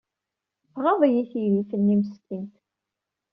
Tɣaḍ-iyi teydit-nni meskint.